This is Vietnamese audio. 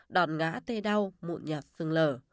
đòn ngã tê đau mụn nhạt xương lở